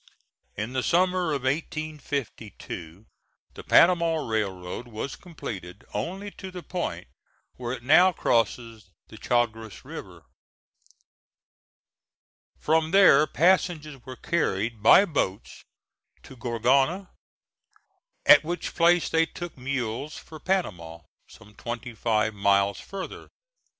In the summer of 1852 the Panama railroad was completed only to the point where it now crosses the Chagres River. From there passengers were carried by boats to Gorgona, at which place they took mules for Panama, some twenty five miles further.